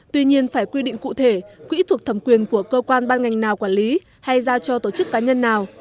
tuy nhiên phải quy định cụ thể quỹ thuộc thẩm quyền của cơ quan ban ngành nào quản lý hay giao cho tổ chức cá nhân nào